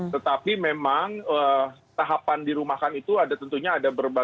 tetapi memang tahapan dirumahkan itu ada tentunya ada berbahaya